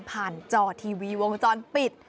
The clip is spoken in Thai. ผ่านจอทีวีวงจรปิด